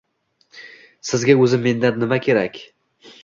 Sizga o'zi mendan nima kerak?